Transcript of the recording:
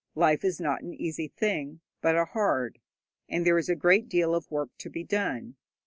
Life is not an easy thing, but a hard, and there is a great deal of work to be done.